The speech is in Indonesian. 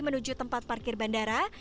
menuju tempat parkir bandara